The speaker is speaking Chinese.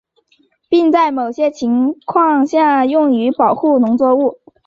并在某些情况下用于保护农作物。